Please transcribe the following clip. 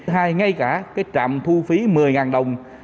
hay ngay cả cái trạm thu phí một mươi đồng